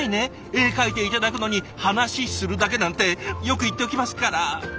絵描いて頂くのに「話するだけ」なんてよく言っておきますから。